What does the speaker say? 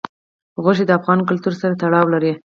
غوښې د افغان کلتور سره تړاو لري.